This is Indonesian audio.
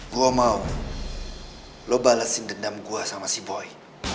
gua mau lo balesin dendam gua sama si boy